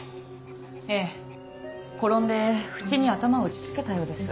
ええ転んで縁に頭を打ち付けたようです。